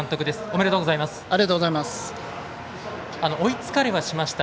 おめでとうございます。